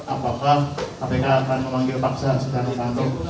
apakah kpk akan memanggil paksa setianofanto